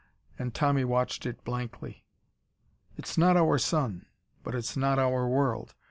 And Tommy watched it blankly. "It's not our sun.... But it's not our world.